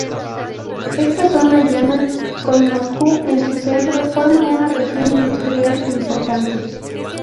Esta zona llana, con Moscú en su centro, forma una región industrial importante.